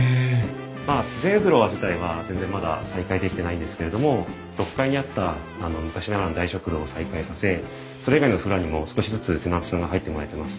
まあ全フロア自体は全然まだ再開できてないんですけれども６階にあった昔ながらの大食堂を再開させそれ以外のフロアにも少しずつテナントさんが入ってもらえてます。